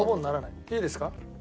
いいですか？